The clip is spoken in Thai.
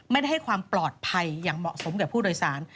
ให้ความปลอดภัยอย่างเหมาะสมกับผู้โดยสาร